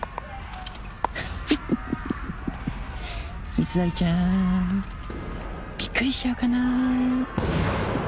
三成ちゃんびっくりしちゃうかなあ。